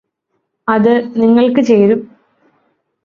അത് നിങ്ങൾക്ക് ചേരും